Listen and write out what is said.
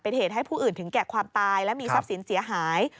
เป็นเหตุให้ผู้อื่นถึงแก่ความตายและมีทรัพย์สินเสียหาย